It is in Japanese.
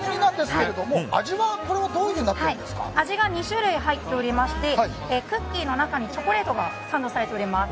味が２種類入っておりましてクッキーの中にチョコレートがサンドされております。